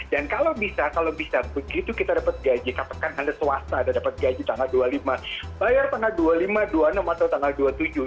dan kalau bisa begitu kita dapat gaji kapetan anda swasta dapat gaji tanggal dua puluh lima bayar tanggal dua puluh lima dua puluh enam atau dua puluh tujuh